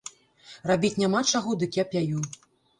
Рабіць няма чаго, дык я пяю.